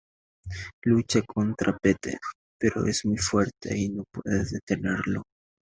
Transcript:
Lucha contra Pete, pero es muy fuerte y no puede detenerlo.